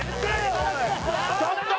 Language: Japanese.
ちょっと！